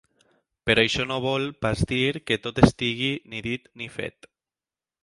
Però això no vol pas dir que tot estigui ni dit ni fet.